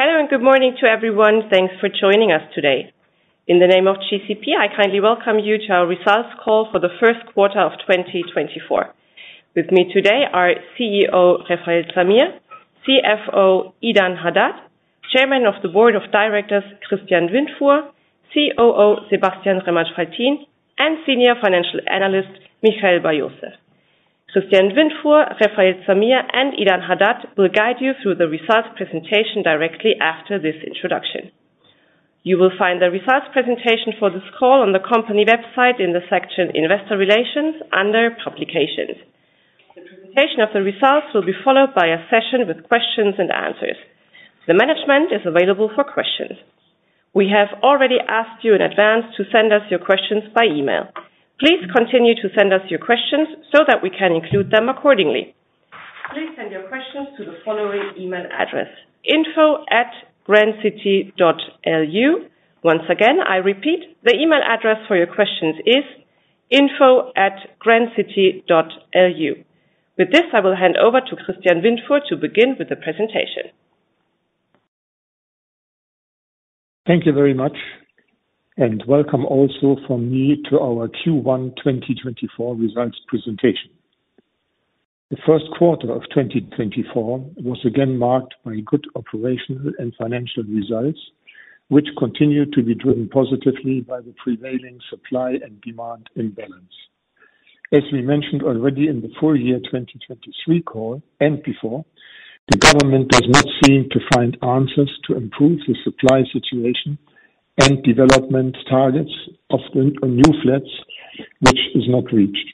Hello, good morning to everyone. Thanks for joining us today. In the name of GCP, I kindly welcome you to our results call for the first quarter of 2024. With me today are CEO Refael Zamir, CFO Idan Hadad, Chairman of the Board of Directors Christian Windfuhr, COO Sebastian Remmert-Faltin, and Senior Financial Analyst Michael Bar-Yosef. Christian Windfuhr, Refael Zamir, and Idan Hadad will guide you through the results presentation directly after this introduction. You will find the results presentation for this call on the company website in the section Investor Relations, under Publications. The presentation of the results will be followed by a session with questions and answers. The management is available for questions. We have already asked you in advance to send us your questions by email. Please continue to send us your questions so that we can include them accordingly. Please send your questions to the following email address, info@grandcity.lu. Once again, I repeat, the email address for your questions is info@grandcity.lu. With this, I will hand over to Christian Windfuhr to begin with the presentation. Thank you very much, welcome also from me to our Q1 2024 results presentation. The first quarter of 2024 was again marked by good operational and financial results, which continued to be driven positively by the prevailing supply and demand imbalance. As we mentioned already in the full year 2023 call and before, the government does not seem to find answers to improve the supply situation and development targets of new flats, which is not reached.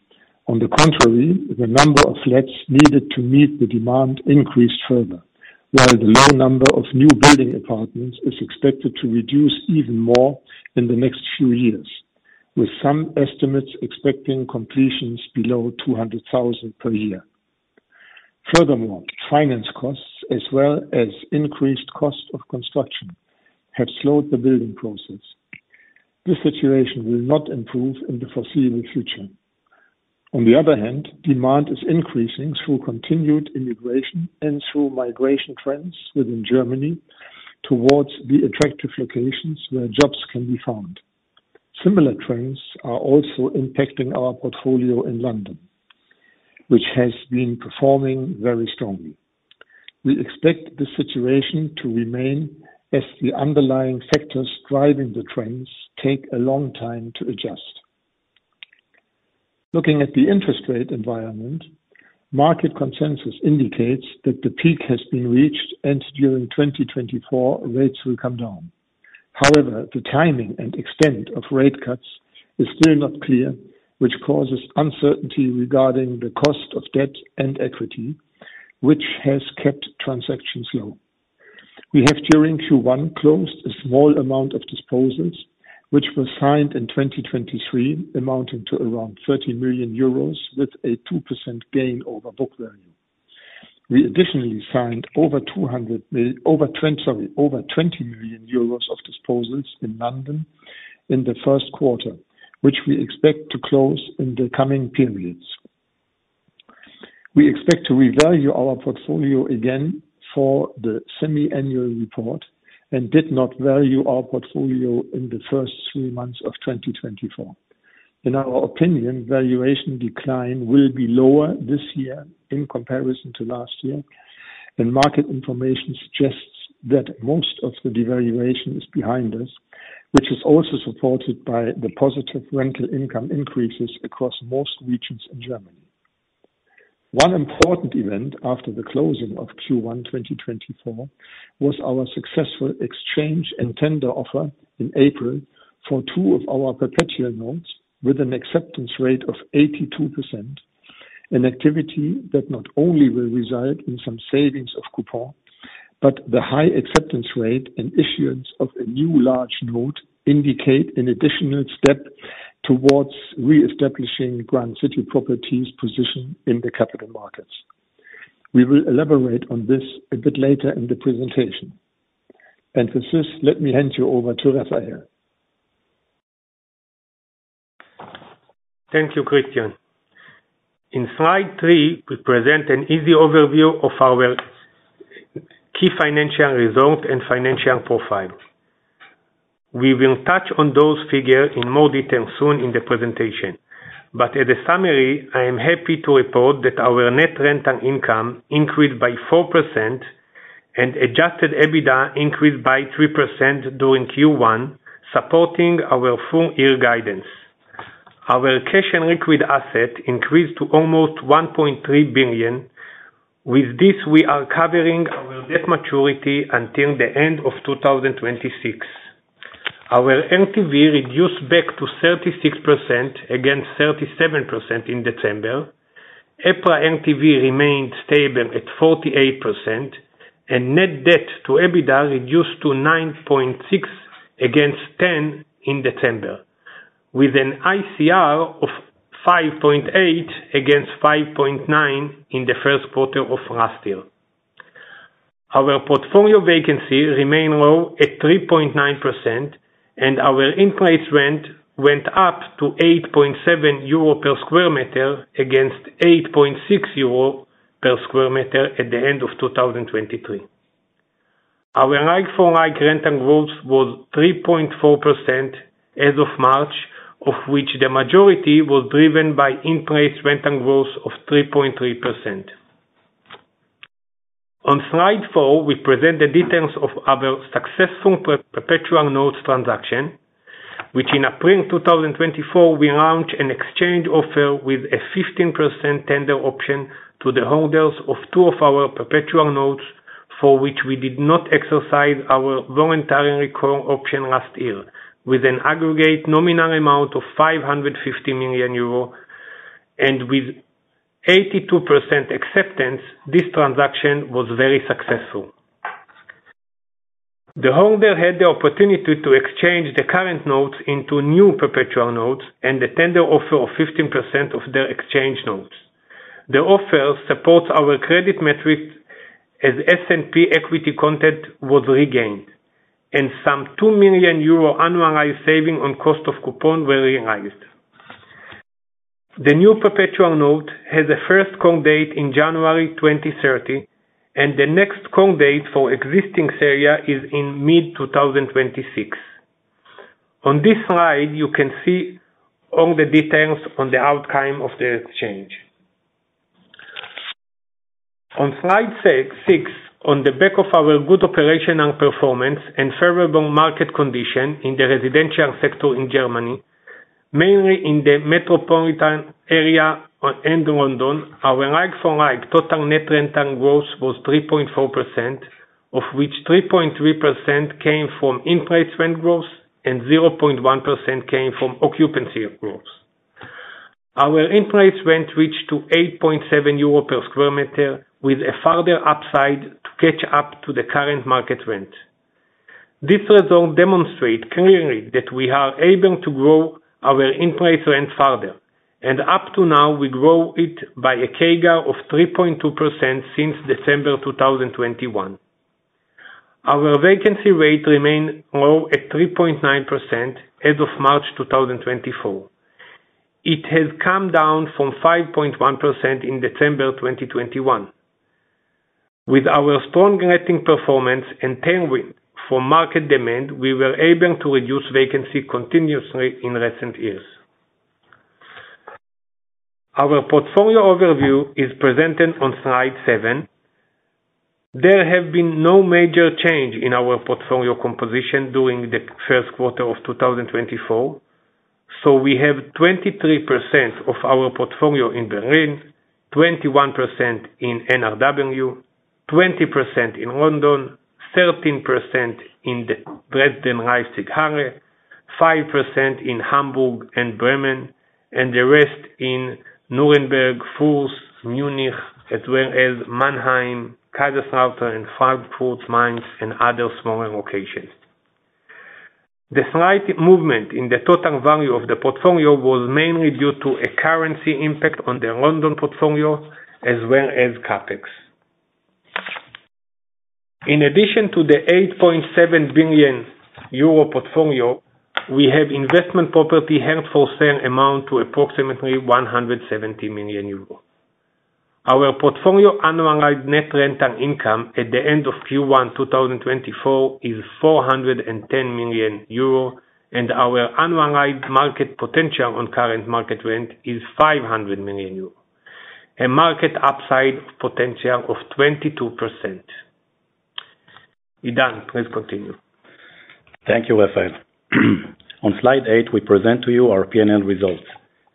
On the contrary, the number of flats needed to meet the demand increased further, while the low number of new building apartments is expected to reduce even more in the next few years, with some estimates expecting completions below 200,000 per year. Finance costs as well as increased cost of construction have slowed the building process. This situation will not improve in the foreseeable future. On the other hand, demand is increasing through continued immigration and through migration trends within Germany towards the attractive locations where jobs can be found. Similar trends are also impacting our portfolio in London, which has been performing very strongly. We expect the situation to remain as the underlying factors driving the trends take a long time to adjust. Looking at the interest rate environment, market consensus indicates that the peak has been reached and during 2024 rates will come down. The timing and extent of rate cuts is still not clear, which causes uncertainty regarding the cost of debt and equity, which has kept transactions low. We have during Q1 closed a small amount of disposals, which were signed in 2023 amounting to around 30 million euros with a 2% gain over book value. We additionally signed over 20 million euros of disposals in London in the first quarter, which we expect to close in the coming periods. We expect to revalue our portfolio again for the semi-annual report and did not value our portfolio in the first three months of 2024. In our opinion, valuation decline will be lower this year in comparison to last year, market information suggests that most of the devaluation is behind us, which is also supported by the positive rental income increases across most regions in Germany. One important event after the closing of Q1 2024 was our successful exchange and tender offer in April for two of our perpetual notes with an acceptance rate of 82%, an activity that not only will result in some savings of coupon, but the high acceptance rate and issuance of a new large note indicate an additional step towards reestablishing Grand City Properties' position in the capital markets. We will elaborate on this a bit later in the presentation. With this, let me hand you over to Refael. Thank you, Christian. In slide three, we present an easy overview of our key financial results and financial profile. As a summary, I am happy to report that our net rental income increased by 4% and adjusted EBITDA increased by 3% during Q1, supporting our full year guidance. Our cash and liquid asset increased to almost 1.3 billion. With this, we are covering our debt maturity until the end of 2026. Our LTV reduced back to 36%, against 37% in December. EPRA NAV remained stable at 48%, and net debt to EBITDA reduced to 9.6 against 10 in December, with an ICR of 5.8 against 5.9 in the first quarter of last year. Our portfolio vacancy remain low at 3.9%. Our in-place rent went up to 8.7 euro per square meter, against 8.6 euro per square meter at the end of 2023. Our like-for-like rental growth was 3.4% as of March, of which the majority was driven by in-place rental growth of 3.3%. On slide four, we present the details of our successful perpetual notes transaction, which in April 2024, we launched an exchange offer with a 15% tender option to the holders of two of our perpetual notes, for which we did not exercise our voluntary recall option last year, with an aggregate nominal amount of 550 million euro, with 82% acceptance. This transaction was very successful. The holder had the opportunity to exchange the current notes into new perpetual notes and the tender offer of 15% of their exchange notes. The offer supports our credit metrics as S&P equity content was regained, and some 2 million euro annualized saving on cost of coupon were realized. The new perpetual note has a first call date in January 2030, and the next call date for existing area is in mid-2026. On this slide, you can see all the details on the outcome of the exchange. On slide six, on the back of our good operational performance and favorable market condition in the residential sector in Germany, mainly in the metropolitan area and London, our like-for-like total net rental growth was 3.4%, of which 3.3% came from in-place rent growth and 0.1% came from occupancy growth. Our in-place rent reached 8.7 euro per square meter, with a further upside to catch up to the current market rent. This result demonstrate clearly that we are able to grow our in-place rent further, and up to now, we grow it by a CAGR of 3.2% since December 2021. Our vacancy rate remain low at 3.9% as of March 2024. It has come down from 5.1% in December 2021. With our strong letting performance and tenant demand for market demand, we were able to reduce vacancy continuously in recent years. Our portfolio overview is presented on slide seven. There have been no major change in our portfolio composition during the first quarter of 2024. We have 23% of our portfolio in Berlin, 21% in NRW, 20% in London, 13% in the Dresden/Leipzig area, 5% in Hamburg and Bremen, and the rest in Nuremberg, Fürth, Munich, as well as Mannheim, Kaiserslautern, and Frankfurt, Mainz, and other smaller locations. The slight movement in the total value of the portfolio was mainly due to a currency impact on the London portfolio, as well as CapEx. In addition to the 8.7 billion euro portfolio, we have investment property held for sale amount to approximately 170 million euros. Our portfolio annualized net rental income at the end of Q1 2024 is 410 million euro, and our annualized market potential on current market rent is 500 million euro. A market upside potential of 22%. Idan, please continue. Thank you, Refael. On slide eight, we present to you our P&L results.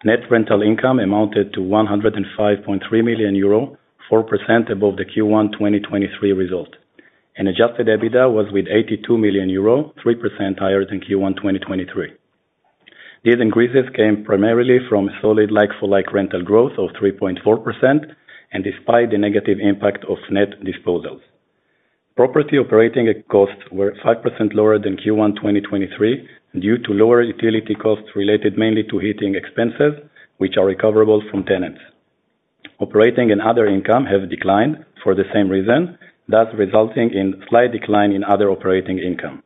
Net rental income amounted to 105.3 million euro, 4% above the Q1 2023 result. Adjusted EBITDA was with 82 million euro, 3% higher than Q1 2023. These increases came primarily from solid like-for-like rental growth of 3.4%, despite the negative impact of net disposals. Property operating costs were 5% lower than Q1 2023 due to lower utility costs related mainly to heating expenses, which are recoverable from tenants. Operating and other income have declined for the same reason, thus resulting in slight decline in other operating income.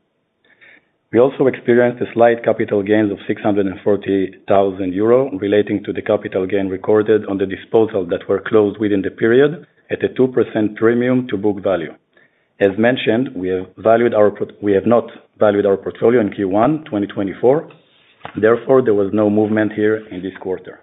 We also experienced a slight capital gains of 640,000 euro relating to the capital gain recorded on the disposal that were closed within the period at a 2% premium to book value. As mentioned, we have not valued our portfolio in Q1 2024. Therefore, there was no movement here in this quarter.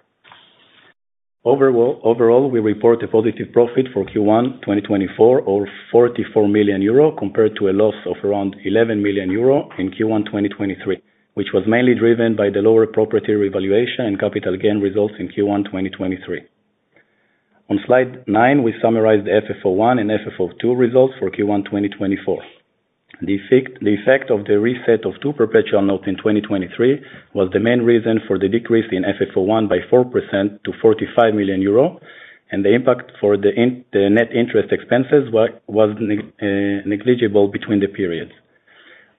Overall, we report a positive profit for Q1 2024 of 44 million euro compared to a loss of around 11 million euro in Q1 2023, which was mainly driven by the lower property revaluation and capital gain results in Q1 2023. On slide nine, we summarize the FFO 1 and FFO 2 results for Q1 2024. The effect of the reset of two perpetual notes in 2023 was the main reason for the decrease in FFO 1 by 4% to 45 million euro, and the impact for the net interest expenses was negligible between the periods.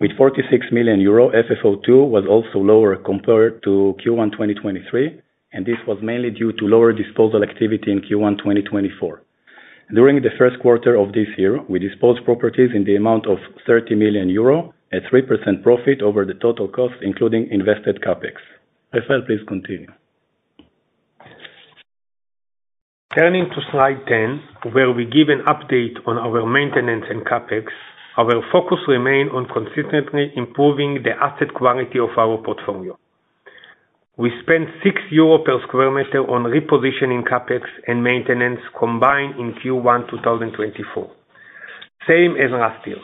With 46 million euro, FFO 2 was also lower compared to Q1 2023, and this was mainly due to lower disposal activity in Q1 2024. During the first quarter of this year, we disposed properties in the amount of 30 million euro at 3% profit over the total cost, including invested CapEx. Refael, please continue. Turning to slide 10, where we give an update on our maintenance and CapEx, our focus remain on consistently improving the asset quality of our portfolio. We spent 6 euro per square meter on repositioning CapEx and maintenance combined in Q1 2024, same as last year.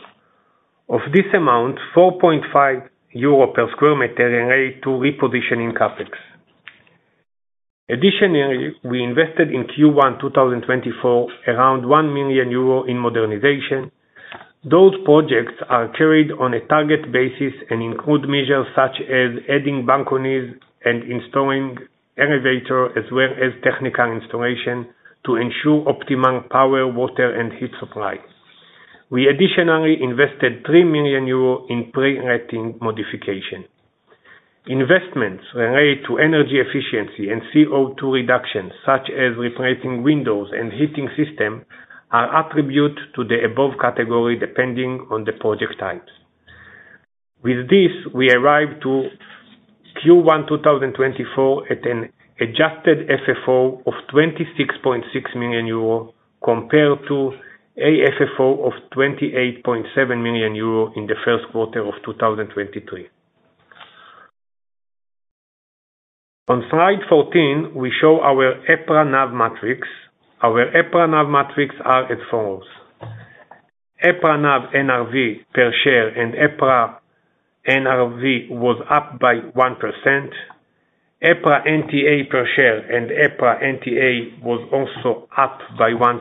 Of this amount, 4.5 euro per square meter related to repositioning CapEx. Additionally, we invested in Q1 2024 around 1 million euro in modernization. Those projects are carried on a target basis and include measures such as adding balconies and installing elevator, as well as technical installation to ensure optimum power, water, and heat supply. We additionally invested 3 million euro in pre-letting modification. Investments related to energy efficiency and CO2 reductions, such as replacing windows and heating system, are attribute to the above category depending on the project types. With this, we arrive to Q1 2024 at an AFFO of 26.6 million euro compared to AFFO of 28.7 million euro in the first quarter of 2023. On slide 14, we show our EPRA NAV metrics. Our EPRA NAV metrics are as follows. EPRA NAV NRV per share and EPRA NRV was up by 1%, EPRA NTA per share and EPRA NTA was also up by 1%,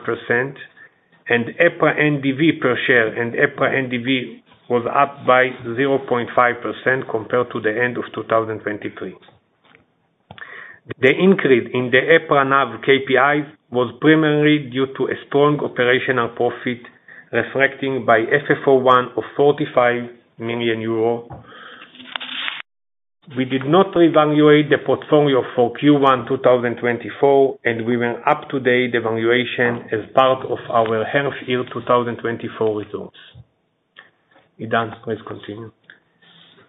and EPRA NDV per share and EPRA NDV was up by 0.5% compared to the end of 2023. The increase in the EPRA NAV KPI was primarily due to a strong operational profit, reflecting by FFO 1 of 45 million euro. We did not reevaluate the portfolio for Q1 2024, and we will up to date evaluation as part of our half year 2024 results. Idan, please continue.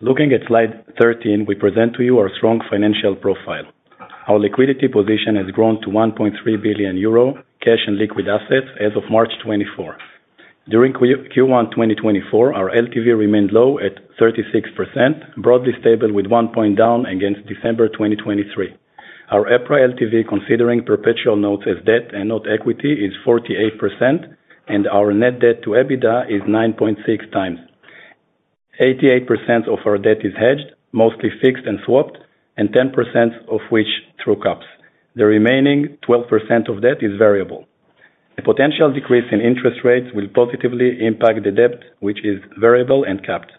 Looking at slide 13, we present to you our strong financial profile. Our liquidity position has grown to 1.3 billion euro, cash and liquid assets as of March 2024. During Q1 2024, our LTV remained low at 36%, broadly stable with one point down against December 2023. Our EPRA LTV, considering perpetual notes as debt and not equity, is 48%, and our net debt to EBITDA is 9.6x. 88% of our debt is hedged, mostly fixed and swapped, and 10% of which through caps. The remaining 12% of debt is variable. A potential decrease in interest rates will positively impact the debt, which is variable and capped.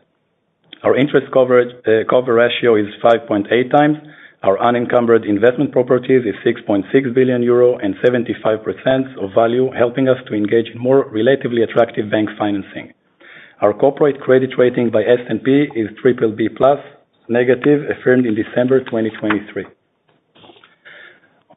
Our interest cover ratio is 5.8x. Our unencumbered investment properties is 6.6 billion euro and 75% of value, helping us to engage in more relatively attractive bank financing. Our corporate credit rating by S&P is BBB+, negative affirmed in December 2023.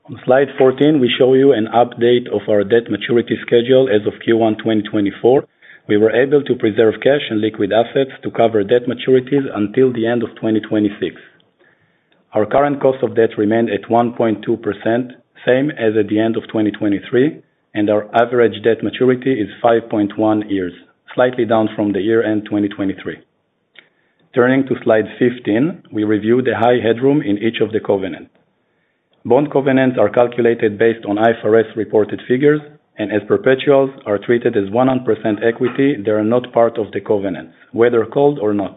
On slide 14, we show you an update of our debt maturity schedule as of Q1 2024. We were able to preserve cash and liquid assets to cover debt maturities until the end of 2026. Our current cost of debt remained at 1.2%, same as at the end of 2023, and our average debt maturity is 5.1 years, slightly down from the year-end 2023. Turning to slide 15, we review the high headroom in each of the covenant. Bond covenants are calculated based on IFRS reported figures, and as perpetuals are treated as 100% equity, they are not part of the covenants, whether called or not.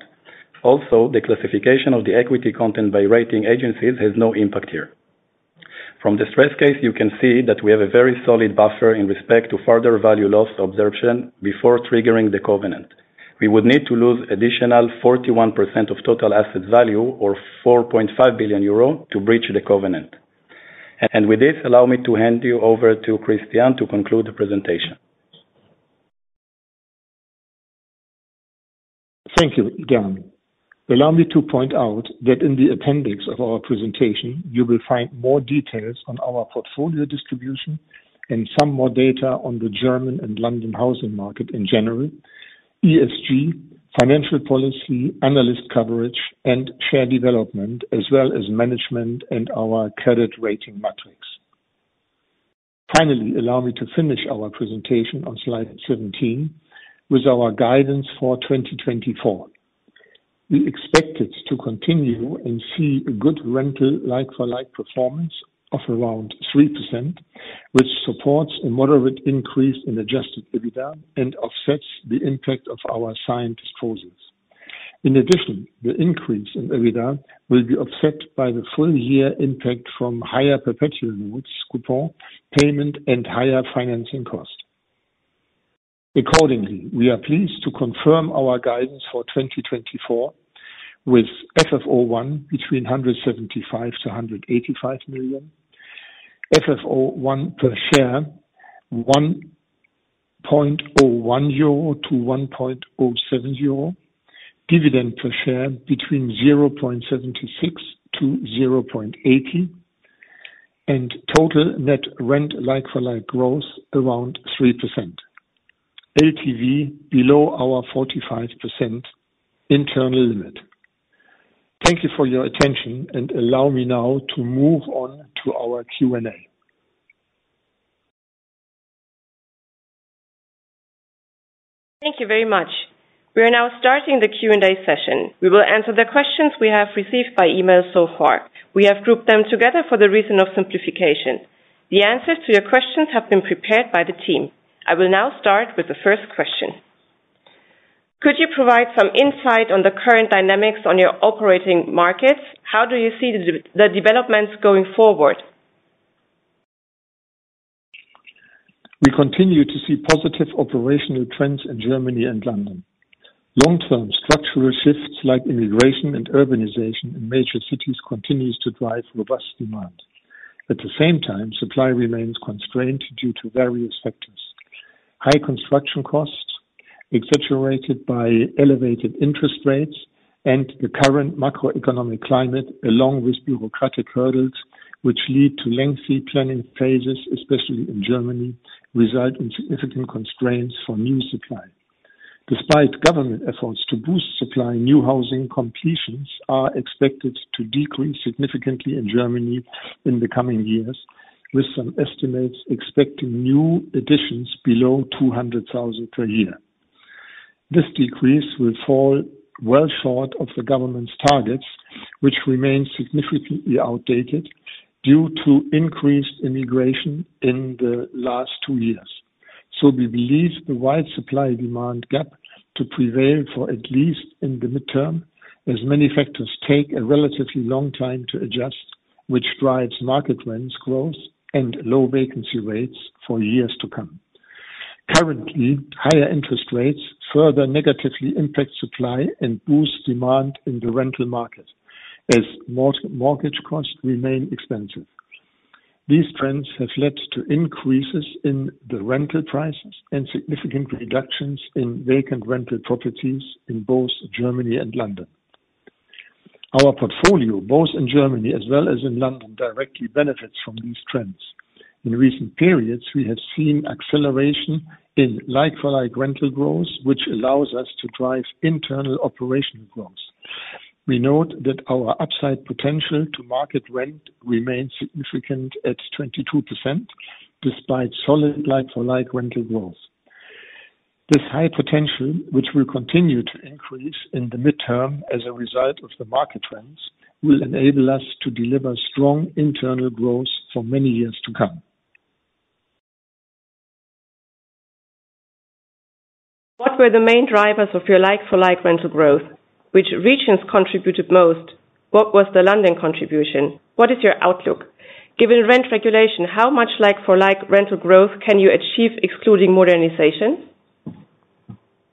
Also, the classification of the equity content by rating agencies has no impact here. From the stress case, you can see that we have a very solid buffer in respect to further value loss absorption before triggering the covenant. We would need to lose additional 41% of total asset value or 4.5 billion euro to breach the covenant. And with this, allow me to hand you over to Christian to conclude the presentation. Thank you, Idan. Allow me to point out that in the appendix of our presentation, you will find more details on our portfolio distribution and some more data on the German and London housing market in general, ESG, financial policy, analyst coverage, and share development, as well as management and our credit rating metrics. Finally, allow me to finish our presentation on slide 17 with our guidance for 2024. We expect it to continue and see a good rental like-for-like performance of around 3%, which supports a moderate increase in adjusted EBITDA and offsets the impact of our signed disposals. In addition, the increase in EBITDA will be offset by the full year impact from higher perpetual notes coupon payment and higher financing cost. Accordingly, we are pleased to confirm our guidance for 2024 with FFO 1 between 175 million-185 million, FFO 1 per share 1.01-1.07 euro. Dividend per share between 0.76-0.80. Total net rent like-for-like growth around 3%. LTV below our 45% internal limit. Thank you for your attention, and allow me now to move on to our Q&A. Thank you very much. We are now starting the Q&A session. We will answer the questions we have received by email so far. We have grouped them together for the reason of simplification. The answers to your questions have been prepared by the team. I will now start with the first question. Could you provide some insight on the current dynamics on your operating markets? How do you see the developments going forward? We continue to see positive operational trends in Germany and London. Long-term structural shifts like immigration and urbanization in major cities continues to drive robust demand. At the same time, supply remains constrained due to various factors. High construction costs, exaggerated by elevated interest rates and the current macroeconomic climate, along with bureaucratic hurdles, which lead to lengthy planning phases, especially in Germany, result in significant constraints for new supply. Despite government efforts to boost supply, new housing completions are expected to decrease significantly in Germany in the coming years, with some estimates expecting new additions below 200,000 per year. This decrease will fall well short of the government's targets, which remain significantly outdated due to increased immigration in the last two years. We believe the wide supply-demand gap to prevail for at least in the midterm, as many factors take a relatively long time to adjust, which drives market rents growth and low vacancy rates for years to come. Currently, higher interest rates further negatively impact supply and boost demand in the rental market as mortgage costs remain expensive. These trends have led to increases in the rental prices and significant reductions in vacant rental properties in both Germany and London. Our portfolio, both in Germany as well as in London, directly benefits from these trends. In recent periods, we have seen acceleration in like-for-like rental growth, which allows us to drive internal operational growth. We note that our upside potential to market rent remains significant at 22%, despite solid like-for-like rental growth. This high potential, which will continue to increase in the midterm as a result of the market trends, will enable us to deliver strong internal growth for many years to come. What were the main drivers of your like-for-like rental growth? Which regions contributed most? What was the London contribution? What is your outlook? Given rent regulation, how much like-for-like rental growth can you achieve excluding modernization?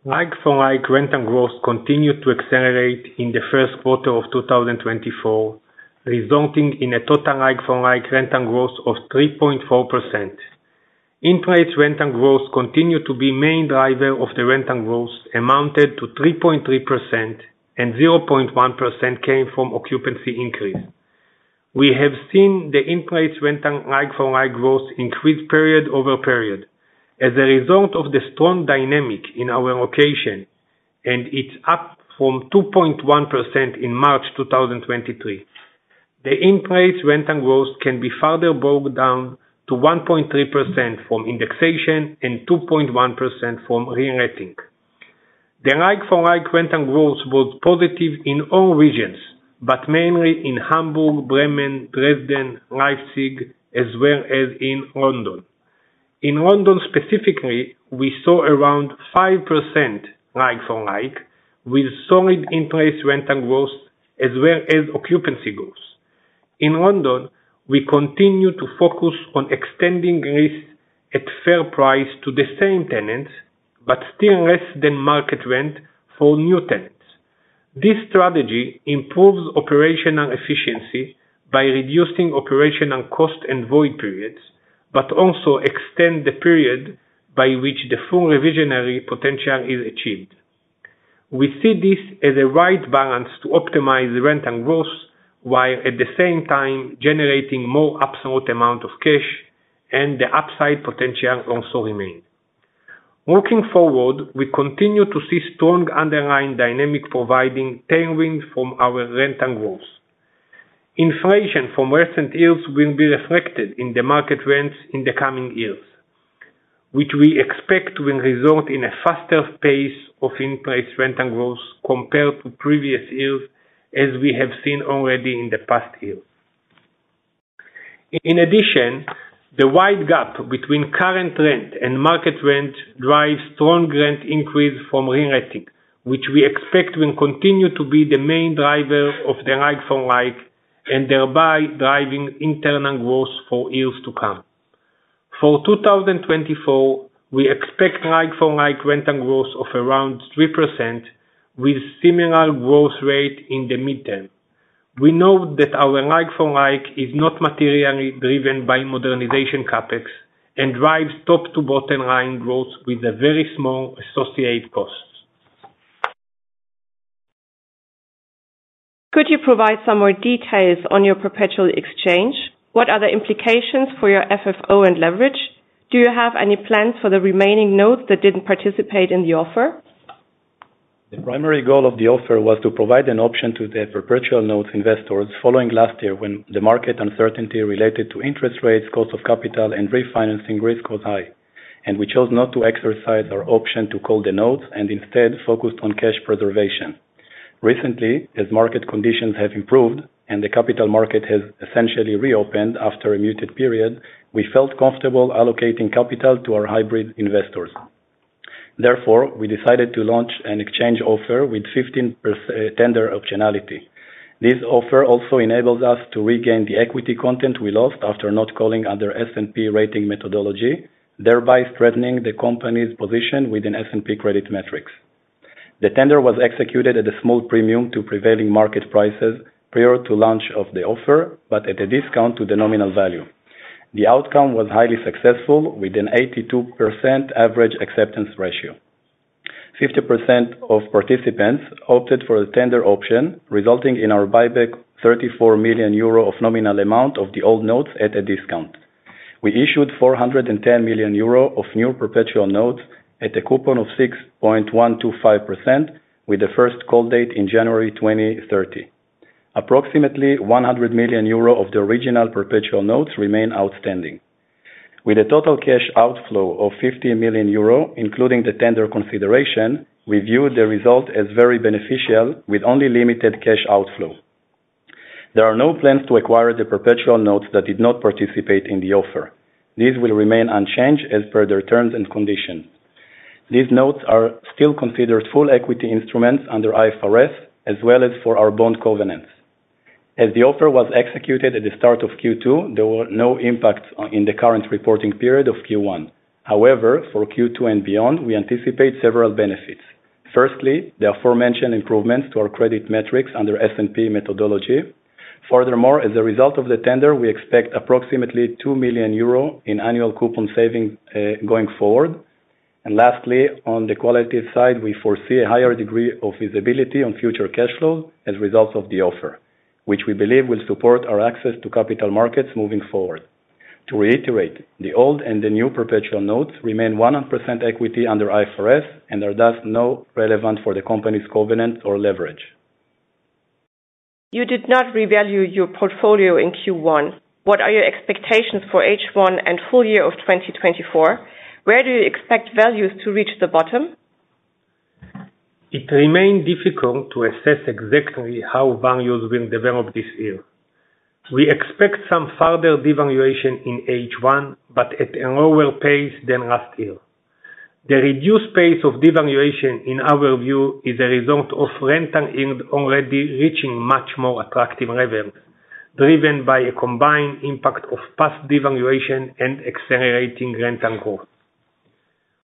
Like-for-like rental growth continued to accelerate in the first quarter of 2024, resulting in a total like-for-like rental growth of 3.4%. In-place rental growth continued to be main driver of the rental growth, amounted to 3.3%. 0.1% came from occupancy increase. We have seen the in-place rental like-for-like growth increase period over period as a result of the strong dynamic in our location. It's up from 2.1% in March 2023. The in-place rental growth can be further broken down to 1.3% from indexation and 2.1% from reletting. The like-for-like rental growth was positive in all regions, but mainly in Hamburg, Bremen, Dresden, Leipzig, as well as in London. In London specifically, we saw around 5% like-for-like, with solid in-place rental growth as well as occupancy growth. In London, we continue to focus on extending this at fair price to the same tenants, but still less than market rent for new tenants. This strategy improves operational efficiency by reducing operational cost and void periods, but also extends the period by which the full revisionary potential is achieved. We see this as a right balance to optimize the rental growth, while at the same time generating more absolute amount of cash and the upside potential also remains. Looking forward, we continue to see strong underlying dynamic providing tailwinds from our rental growth. Inflation from recent years will be reflected in the market rents in the coming years, which we expect will result in a faster pace of in-place rental growth compared to previous years, as we have seen already in the past year. In addition, the wide gap between current rent and market rent drives strong rent increase from reletting, which we expect will continue to be the main driver of the like-for-like, and thereby driving internal growth for years to come. For 2024, we expect like-for-like rental growth of around 3%, with similar growth rate in the midterm. We know that our like-for-like is not materially driven by modernization CapEx and drives top to bottom line growth with a very small associated costs. Could you provide some more details on your perpetual exchange? What are the implications for your FFO and leverage? Do you have any plans for the remaining notes that didn't participate in the offer? The primary goal of the offer was to provide an option to the perpetual notes investors following last year when the market uncertainty related to interest rates, cost of capital, and refinancing risk was high, and we chose not to exercise our option to call the notes and instead focused on cash preservation. Recently, as market conditions have improved and the capital market has essentially reopened after a muted period, we felt comfortable allocating capital to our hybrid investors. Therefore, we decided to launch an exchange offer with 15% tender optionality. This offer also enables us to regain the equity content we lost after not calling under S&P rating methodology, thereby strengthening the company's position with an S&P credit metrics. The tender was executed at a small premium to prevailing market prices prior to launch of the offer, but at a discount to the nominal value. The outcome was highly successful, with an 82% average acceptance ratio. 50% of participants opted for a tender option, resulting in our buyback 34 million euro of nominal amount of the old notes at a discount. We issued 410 million euro of new perpetual notes at a coupon of 6.125% with the first call date in January 2030. Approximately 100 million euro of the original perpetual notes remain outstanding. With a total cash outflow of 50 million euro, including the tender consideration, we view the result as very beneficial with only limited cash outflow. There are no plans to acquire the perpetual notes that did not participate in the offer. These will remain unchanged as per their terms and conditions. These notes are still considered full equity instruments under IFRS, as well as for our bond covenants. As the offer was executed at the start of Q2, there were no impacts in the current reporting period of Q1. However, for Q2 and beyond, we anticipate several benefits. Firstly, the aforementioned improvements to our credit metrics under S&P methodology. Furthermore, as a result of the tender, we expect approximately 2 million euro in annual coupon savings going forward. Lastly, on the quality side, we foresee a higher degree of visibility on future cash flows as a result of the offer, which we believe will support our access to capital markets moving forward. To reiterate, the old and the new perpetual notes remain 100% equity under IFRS and are thus not relevant for the company's covenant or leverage. You did not revalue your portfolio in Q1. What are your expectations for H1 and full year of 2024? Where do you expect values to reach the bottom? It remains difficult to assess exactly how values will develop this year. We expect some further devaluation in H1, but at a lower pace than last year. The reduced pace of devaluation, in our view, is a result of rental yield already reaching much more attractive levels, driven by a combined impact of past devaluation and accelerating rental growth.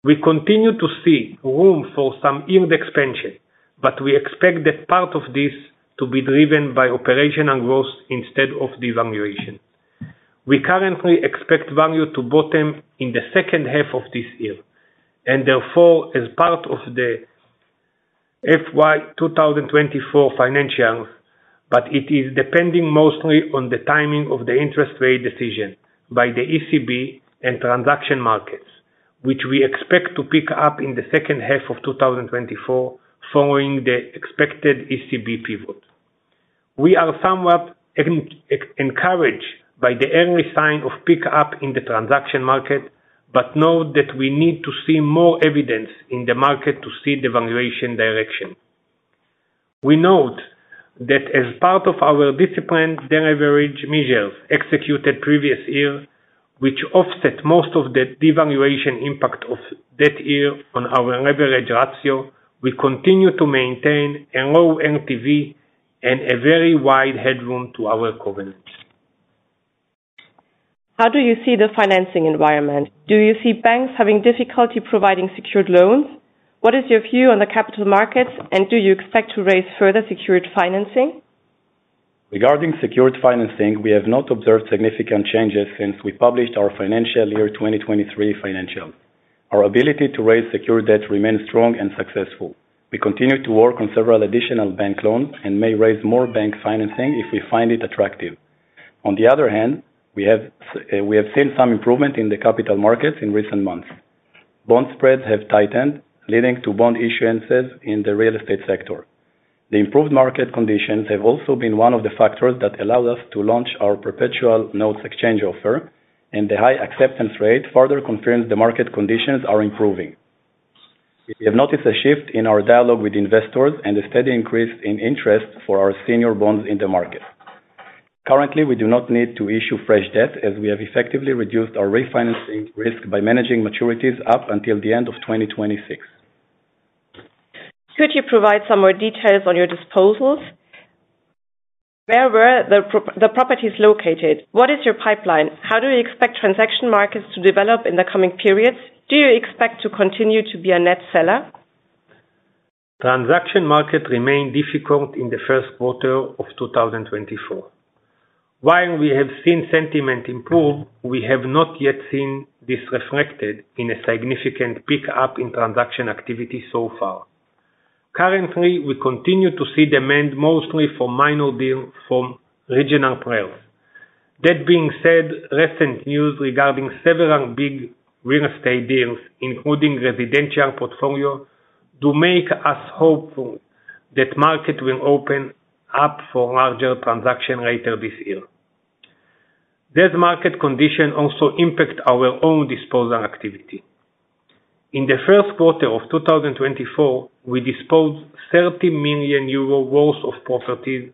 We continue to see room for some yield expansion, but we expect that part of this to be driven by operational growth instead of devaluation. We currently expect value to bottom in the second half of this year. Therefore, as part of the FY 2024 financials, but it is depending mostly on the timing of the interest rate decision by the ECB and transaction markets, which we expect to pick up in the second half of 2024 following the expected ECB pivot. We are somewhat encouraged by the early sign of pick up in the transaction market, note that we need to see more evidence in the market to see devaluation direction. We note that as part of our disciplined de-leverage measures executed previous year, which offset most of the devaluation impact of that year on our leverage ratio, we continue to maintain a low LTV and a very wide headroom to our covenants. How do you see the financing environment? Do you see banks having difficulty providing secured loans? What is your view on the capital markets, and do you expect to raise further secured financing? Regarding secured financing, we have not observed significant changes since we published our financial year 2023 financials. Our ability to raise secured debt remains strong and successful. We continue to work on several additional bank loans and may raise more bank financing if we find it attractive. On the other hand, we have seen some improvement in the capital markets in recent months. Bond spreads have tightened, leading to bond issuances in the real estate sector. The improved market conditions have also been one of the factors that allow us to launch our perpetual notes exchange offer, and the high acceptance rate further confirms the market conditions are improving. We have noticed a shift in our dialogue with investors and a steady increase in interest for our senior bonds in the market. Currently, we do not need to issue fresh debt as we have effectively reduced our refinancing risk by managing maturities up until the end of 2026. Could you provide some more details on your disposals? Where were the properties located? What is your pipeline? How do you expect transaction markets to develop in the coming periods? Do you expect to continue to be a net seller? Transaction market remained difficult in the first quarter of 2024. While we have seen sentiment improve, we have not yet seen this reflected in a significant pickup in transaction activity so far. Currently, we continue to see demand mostly for minor deals from regional players. That being said, recent news regarding several big real estate deals, including residential portfolio, do make us hopeful that market will open up for larger transaction later this year. This market condition also impact our own disposal activity. In the first quarter of 2024, we disposed 30 million euro worth of properties,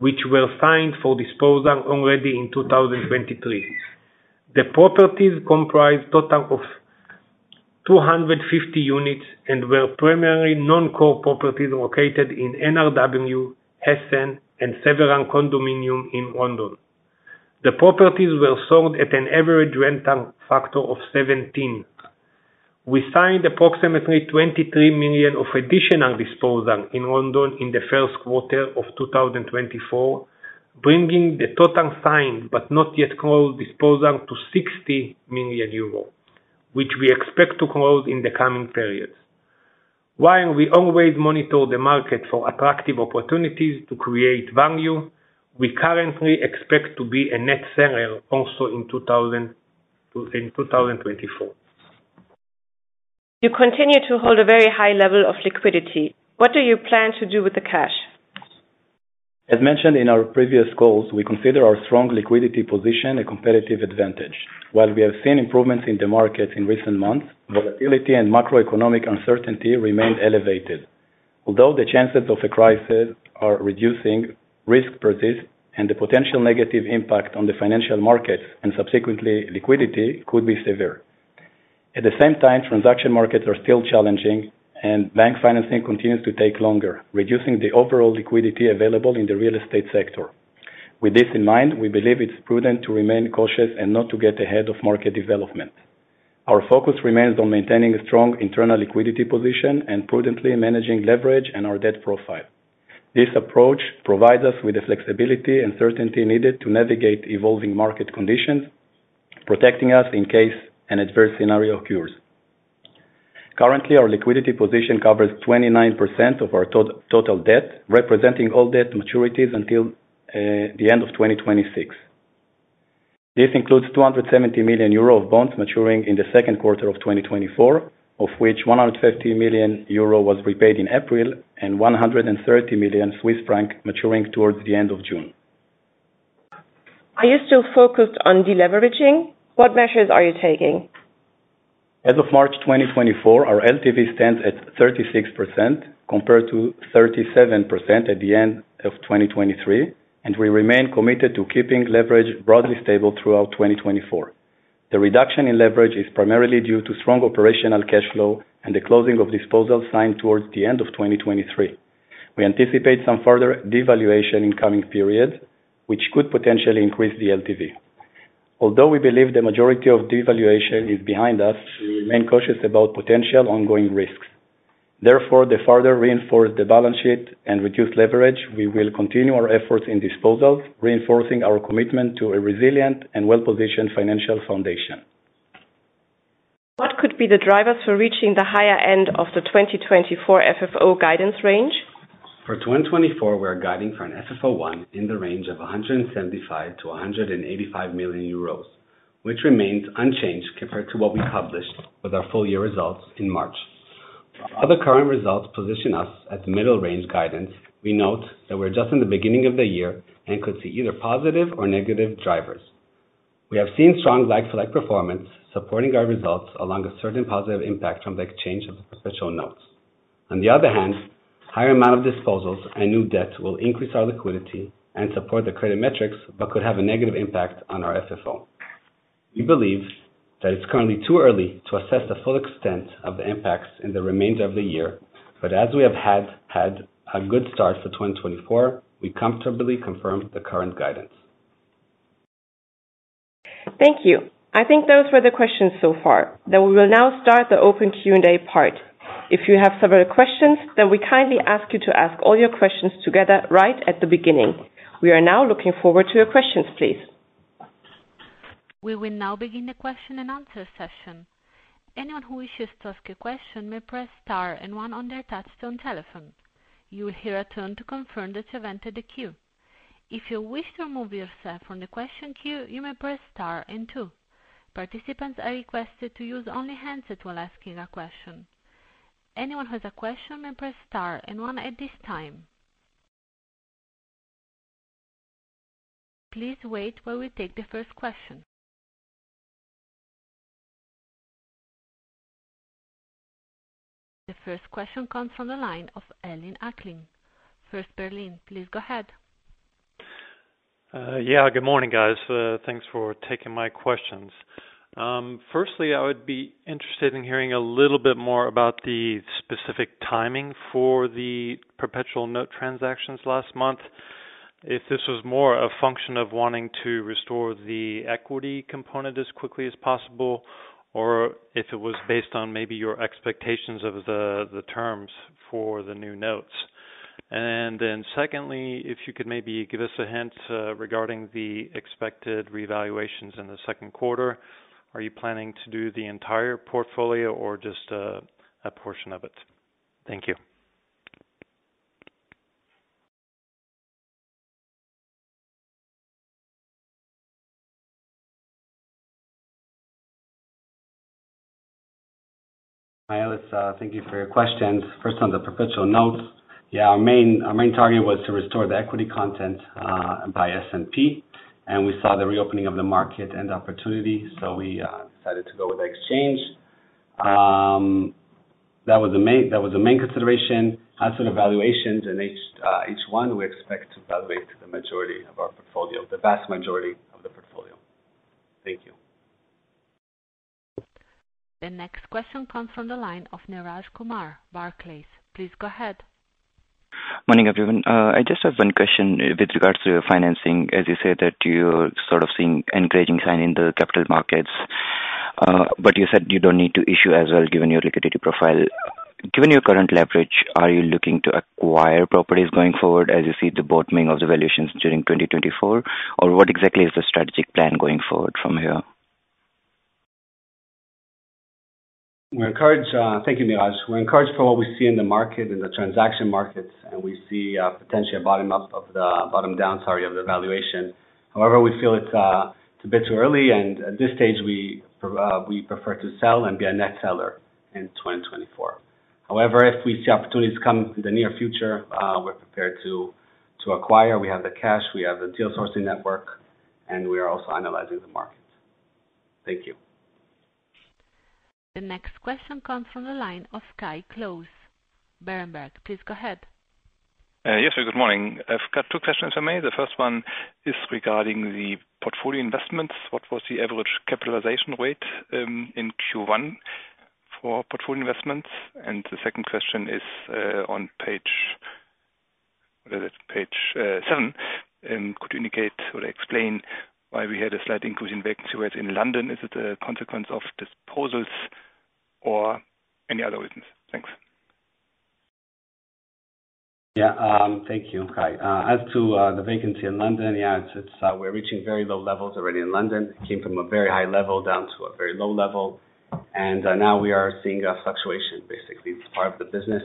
which were signed for disposal already in 2023. The properties comprise total of 250 units and were primarily non-core properties located in NRW, Hessen, and several condominium in London. The properties were sold at an average rental factor of 17. We signed approximately 23 million of additional disposal in London in the first quarter of 2024, bringing the total signed but not yet closed disposal to 60 million euros, which we expect to close in the coming periods. While we always monitor the market for attractive opportunities to create value, we currently expect to be a net seller also in 2024. You continue to hold a very high level of liquidity. What do you plan to do with the cash? As mentioned in our previous calls, we consider our strong liquidity position a competitive advantage. While we have seen improvements in the markets in recent months, volatility and macroeconomic uncertainty remain elevated. Although the chances of a crisis are reducing, risk persists, and the potential negative impact on the financial markets, and subsequently liquidity, could be severe. At the same time, transaction markets are still challenging and bank financing continues to take longer, reducing the overall liquidity available in the real estate sector. With this in mind, we believe it's prudent to remain cautious and not to get ahead of market development. Our focus remains on maintaining a strong internal liquidity position and prudently managing leverage and our debt profile. This approach provides us with the flexibility and certainty needed to navigate evolving market conditions, protecting us in case an adverse scenario occurs. Currently, our liquidity position covers 29% of our total debt, representing all debt maturities until the end of 2026. This includes 270 million euro of bonds maturing in the second quarter of 2024, of which 150 million euro was repaid in April and 130 million Swiss franc maturing towards the end of June. Are you still focused on deleveraging? What measures are you taking? As of March 2024, our LTV stands at 36% compared to 37% at the end of 2023, and we remain committed to keeping leverage broadly stable throughout 2024. The reduction in leverage is primarily due to strong operational cash flow and the closing of disposals signed towards the end of 2023. We anticipate some further devaluation in coming periods, which could potentially increase the LTV. Although we believe the majority of devaluation is behind us, we remain cautious about potential ongoing risks. Therefore, to farther reinforce the balance sheet and reduce leverage, we will continue our efforts in disposals, reinforcing our commitment to a resilient and well-positioned financial foundation. What could be the drivers for reaching the higher end of the 2024 FFO guidance range? For 2024, we are guiding for an FFO 1 in the range of 175 million-185 million euros, which remains unchanged compared to what we published with our full year results in March. While the current results position us at the middle range guidance, we note that we're just in the beginning of the year and could see either positive or negative drivers. We have seen strong like-for-like performance supporting our results, along a certain positive impact from the exchange of special notes. On the other hand, higher amount of disposals and new debt will increase our liquidity and support the credit metrics, but could have a negative impact on our FFO. We believe that it's currently too early to assess the full extent of the impacts in the remainder of the year, but as we have had a good start for 2024, we comfortably confirm the current guidance. Thank you. I think those were the questions so far. We will now start the open Q&A part. If you have further questions, we kindly ask you to ask all your questions together right at the beginning. We are now looking forward to your questions, please. We will now begin the question-and-answer session. Anyone who wishes to ask a question may press star one on their touchtone telephone. You will hear a tone to confirm that you have entered the queue. If you wish to remove yourself from the question queue, you may press star two. Participants are requested to use only handset while asking a question. Anyone who has a question may press star one at this time. Please wait while we take the first question. The first question comes from the line of Ellis Acklin. First Berlin, please go ahead. Good morning, guys. Thanks for taking my questions. Firstly, I would be interested in hearing a little bit more about the specific timing for the perpetual note transactions last month. If this was more a function of wanting to restore the equity component as quickly as possible, or if it was based on maybe your expectations of the terms for the new notes. Secondly, if you could maybe give us a hint regarding the expected revaluations in the second quarter. Are you planning to do the entire portfolio or just a portion of it? Thank you. Hi, Ellis. Thank you for your question. First, on the perpetual note. Our main target was to restore the equity content by S&P. We saw the reopening of the market and opportunity, we decided to go with the exchange. That was the main consideration. As for the valuations in H1, we expect to evaluate the majority of our portfolio, the vast majority of the portfolio. Thank you. The next question comes from the line of Neeraj Kumar, Barclays. Please go ahead. Morning, everyone. I just have one question with regards to your financing. You say that you're sort of seeing encouraging sign in the capital markets, you said you don't need to issue as well, given your liquidity profile. Given your current leverage, are you looking to acquire properties going forward as you see the bottoming of the valuations during 2024? What exactly is the strategic plan going forward from here? Thank you, Neeraj. We're encouraged for what we see in the market, in the transaction markets. We see potentially a bottom down of the valuation. However, we feel it's a bit too early. At this stage, we prefer to sell and be a net seller in 2024. However, if we see opportunities come in the near future, we're prepared to acquire. We have the cash, we have the deal sourcing network. We are also analyzing the market. Thank you. The next question comes from the line of Kai Klose, Berenberg. Please go ahead. Yes, good morning. I've got two questions for you. The first one is regarding the portfolio investments. What was the average capitalization rate in Q1 for portfolio investments? The second question is on page seven. Could you indicate or explain why we had a slight increase in vacancy rate in London? Is it a consequence of disposals or any other reasons? Thanks. Thank you, Kai. As to the vacancy in London, we're reaching very low levels already in London. It came from a very high level down to a very low level. Now we are seeing a fluctuation, basically. It's part of the business.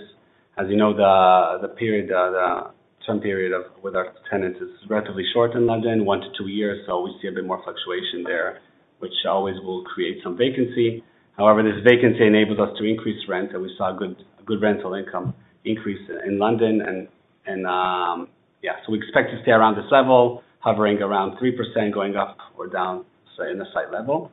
As you know, the term period with our tenants is relatively short in London, one to two years. We see a bit more fluctuation there, which always will create some vacancy. However, this vacancy enables us to increase rent. We saw a good rental income increase in London. We expect to stay around this level, hovering around 3%, going up or down, say, in the site level.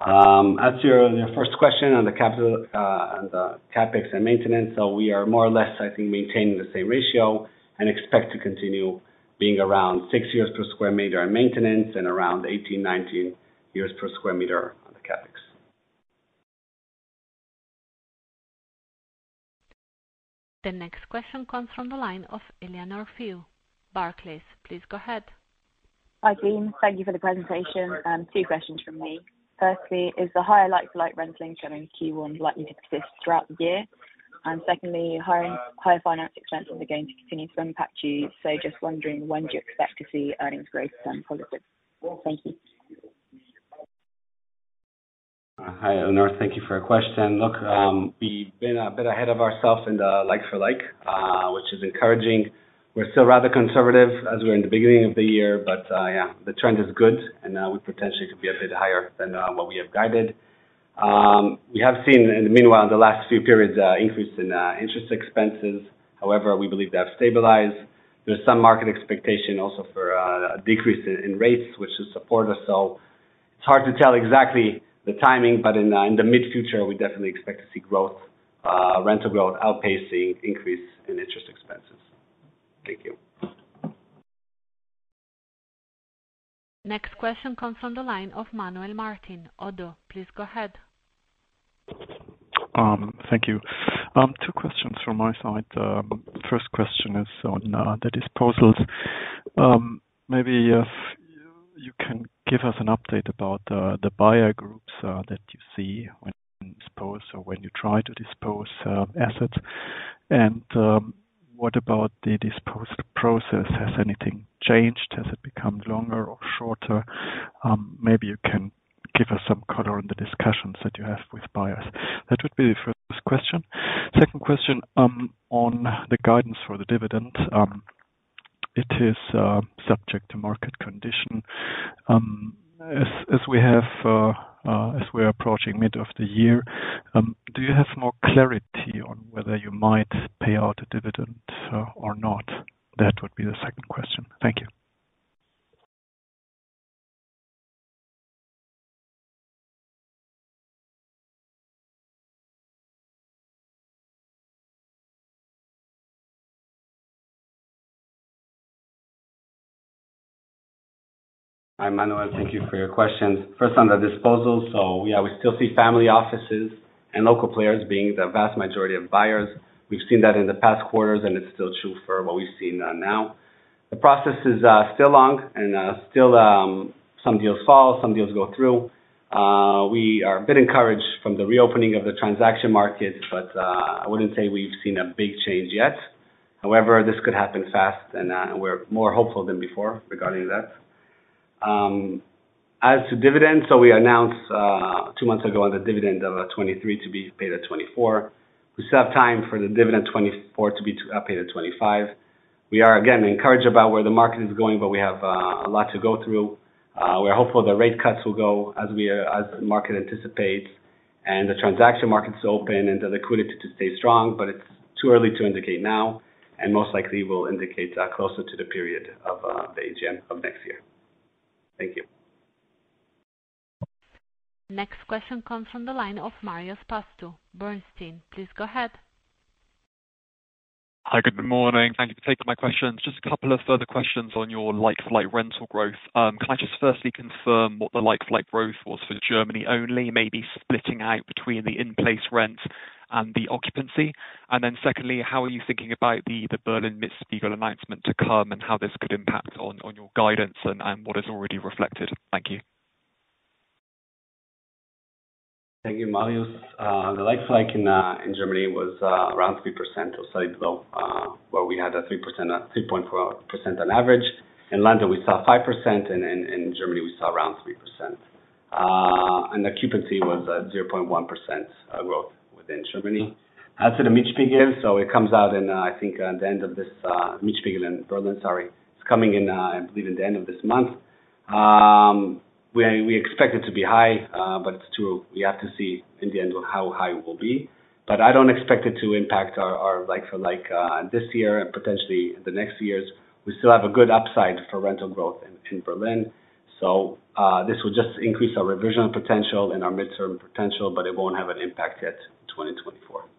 As to your first question on the CapEx and maintenance, we are more or less, I think, maintaining the same ratio and expect to continue being around 6 per square meter on maintenance and around 18, 19 per square meter on the CapEx. The next question comes from the line of Eleanor Frew, Barclays. Please go ahead. Hi, team. Thank you for the presentation. Two questions from me. Firstly, is the higher like-for-like rent link shown in Q1 likely to persist throughout the year? Secondly, higher finance expense are going to continue to impact you. Just wondering, when do you expect to see earnings growth and positive? Thank you. Hi, Eleanor. Thank you for your question. Look, we've been a bit ahead of ourselves in the like-for-like, which is encouraging. We're still rather conservative as we're in the beginning of the year. Yeah, the trend is good, and we potentially could be a bit higher than what we have guided. We have seen in the meanwhile, in the last few periods, an increase in interest expenses. However, we believe they have stabilized. There's some market expectation also for a decrease in rates, which should support us. It's hard to tell exactly the timing, but in the mid-future, we definitely expect to see rental growth outpacing increase in interest expenses. Thank you. Next question comes from the line of Manuel Martin, Oddo. Please go ahead. Thank you. Two questions from my side. First question is on the disposals. Maybe if you can give us an update about the buyer groups that you see when you dispose or when you try to dispose assets. What about the disposal process? Has anything changed? Has it become longer or shorter? Maybe you can give us some color on the discussions that you have with buyers. That would be the first question. Second question on the guidance for the dividend. It is subject to market condition. As we are approaching mid of the year, do you have more clarity on whether you might pay out a dividend or not? That would be the second question. Thank you. Hi, Manuel. Thank you for your questions. First on the disposals. Yeah, we still see family offices and local players being the vast majority of buyers. We've seen that in the past quarters, it is still true for what we have seen now. The process is still long, still some deals fall, some deals go through. We are a bit encouraged from the reopening of the transaction market, I would not say we have seen a big change yet. However, this could happen fast, we are more hopeful than before regarding that. As to dividends, we announced two months ago on the dividend of 2023 to be paid at 2024. We still have time for the dividend 2024 to be paid at 2025. We are, again, encouraged about where the market is going, we have a lot to go through. We are hopeful the rate cuts will go as the market anticipates, the transaction markets open, the liquidity to stay strong. It is too early to indicate now, most likely will indicate closer to the period of the AGM of next year. Thank you. Next question comes from the line of Marios Pastou, Bernstein. Please go ahead. Hi, good morning. Thank you for taking my questions. Just a couple of further questions on your like-for-like rental growth. Can I just firstly confirm what the like-for-like growth was for Germany only, maybe splitting out between the in-place rent and the occupancy? Secondly, how are you thinking about the Berlin Mietspiegel announcement to come and how this could impact on your guidance and what is already reflected? Thank you. Thank you, Marios. The like-for-like in Germany was around 3%, or slightly below, where we had a 3.4% on average. In London, we saw 5%, and in Germany, we saw around 3%. The occupancy was a 0.1% growth within Germany. As to the Mietspiegel in Berlin, it's coming in, I believe, at the end of this month. We expect it to be high, it's true, we have to see in the end how high it will be. I don't expect it to impact our like-for-like this year and potentially the next years. We still have a good upside for rental growth in Berlin. This will just increase our revision potential and our midterm potential, but it won't have an impact yet in 2024. Thank you.